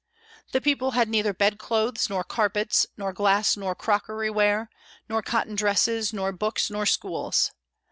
The people had neither bed clothes, nor carpets, nor glass nor crockery ware, nor cotton dresses, nor books, nor schools.